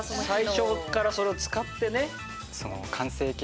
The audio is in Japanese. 最初からそれを使ってね。